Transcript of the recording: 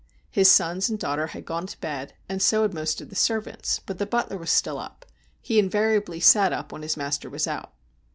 His sons and daughter had gone to bed, and so had most of the servants, but the butler was still up ; he invariably sat up when his master was out.